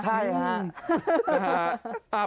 ใช่ฮะ